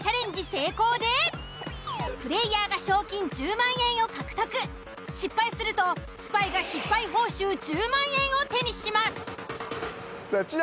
成功でプレイヤーが賞金１０万円を獲得失敗するとスパイが失敗報酬１０万円を手にします。